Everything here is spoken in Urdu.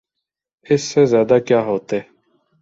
اس سے زیادہ کیا ہوتے؟